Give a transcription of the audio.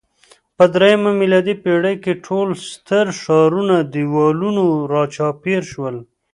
په درېیمه میلادي پېړۍ کې ټول ستر ښارونه دېوالونو راچاپېر شول